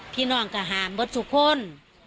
พี่น้องก็หาหมดสุขน